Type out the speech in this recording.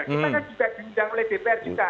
kita kan juga diundang oleh dpr juga